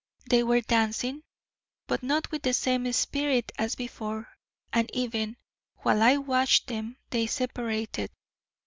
They were dancing, but not with the same spirit as before, and even while I watched them they separated.